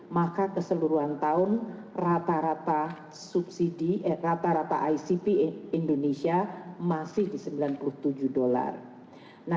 maka keseluruhan tahun rata rata icp indonesia masih di rp sembilan puluh tujuh